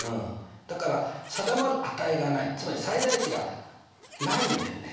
だから定まる値がないつまり最大値がないんだよね。